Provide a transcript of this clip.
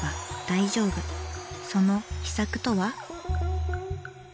その秘策とは？